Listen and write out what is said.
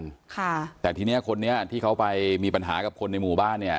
ค่ะแต่ทีเนี้ยคนนี้ที่เขาไปมีปัญหากับคนในหมู่บ้านเนี้ย